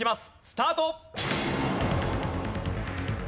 スタート！